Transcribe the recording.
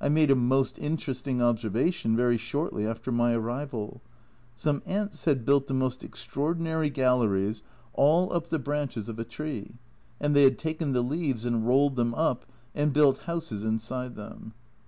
I made a most interesting observation very shortly after my arrival : some ants had built the most extraordinary galleries all up the branches of 214 A Journal from Japan a tree, and they had taken the leaves and rolled them up, and built houses inside them.